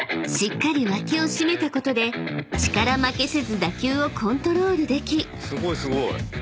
［しっかり脇を締めたことで力負けせず打球をコントロールでき］